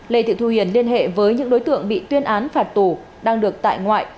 lê thị thu hiền liên hệ với những đối tượng bị tuyên án phạt tù đang được tại ngoại